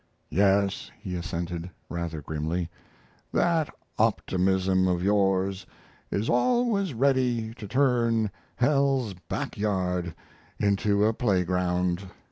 "Yes," he assented, rather grimly, "that optimism of yours is always ready to turn hell's back yard into a playground."